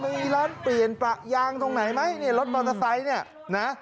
มีร้านเปลี่ยนประยางตรงไหนไหมเนี่ยรถมอเตอร์ไซค์เนี่ยนะ